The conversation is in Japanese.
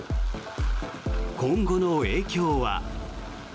今後の影響は。